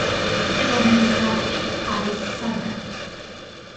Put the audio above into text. ხელოვნების დარგი არის საგანი